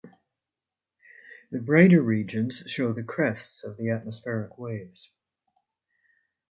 The brighter regions show the crests of the atmospheric waves.